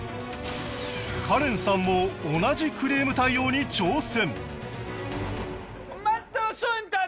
カレンさんも同じクレーム対応に挑戦